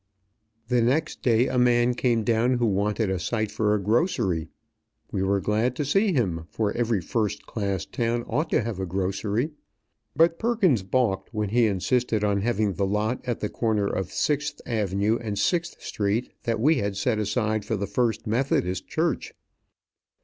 The next day a man came down who wanted a site for a grocery. We were glad to see him, for every first class town ought to have a grocery; but Perkins balked when he insisted on having the lot at the corner of Sixth Avenue and Sixth Street that we had set aside for the First Methodist Church.